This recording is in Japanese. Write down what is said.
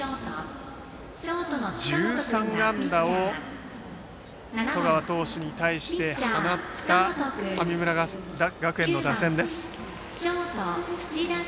１３安打を十川投手に対して放った神村学園の打線です。